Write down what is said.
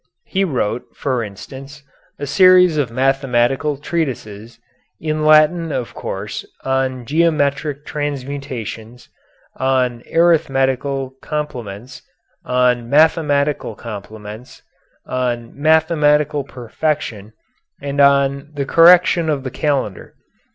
He wrote, for instance, a series of mathematical treatises, in Latin of course, on "Geometric Transmutations," on "Arithmetical Complements," on "Mathematical Complements," on "Mathematical Perfection," and on "The Correction of the Calendar."